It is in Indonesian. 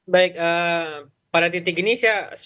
baik pada titik ini saya